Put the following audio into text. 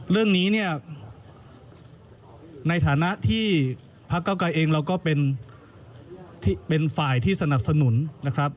เรื่องนี้เนี่ยในฐานะที่พักเก้าไกรเองเราก็เป็นฝ่ายที่สนับสนุนนะครับ